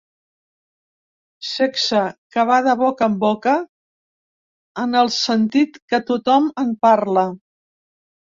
Sexe que va de boca en boca, en el sentit que tothom en parla.